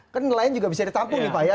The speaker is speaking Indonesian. kan nelayan juga bisa ditampung nih pak ya